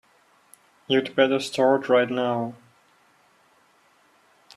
You'd better start right now.